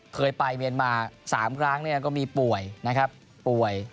เคยไปเมียนมา๓ครั้งก็มีป่วยนะครับป่วย